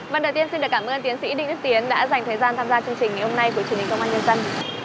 vâng đầu tiên xin được cảm ơn tiến sĩ đinh đức tiến đã dành thời gian tham gia chương trình ngày hôm nay của truyền hình công an nhân dân